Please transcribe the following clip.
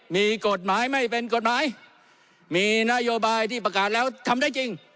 มีกฎหมายไม่เป็นกฎหมายมีนโยบายที่ประกาศแล้วทำได้จริง